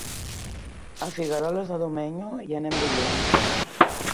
A Figueroles de Domenyo hi anem dilluns.